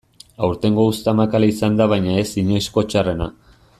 Aurtengo uzta makala izan da baina ez inoizko txarrena.